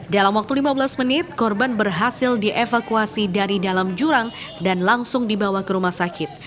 dalam waktu lima belas menit korban berhasil dievakuasi dari dalam jurang dan langsung dibawa ke rumah sakit